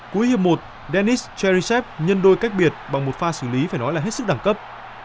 cuối hiệp một dennis chalrisev nhân đôi cách biệt bằng một pha xử lý phải nói là hết sức đẳng cấp